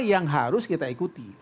yang harus kita ikuti